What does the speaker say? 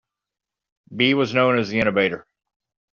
Bee was known as the "Innovator".